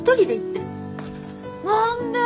何で？